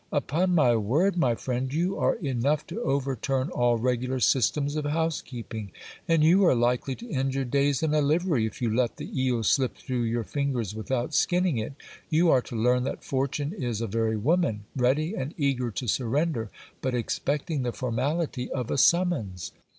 Upon my word, my friend, you are enough to overturn all regular systems of housekeeping ; and you are likely to end your days in a liven', if you let the eel slip through your fingers without skinning it. You are to learn that fortune is a very woman ; ready and eager to surrender, but expecting the formality of a summons.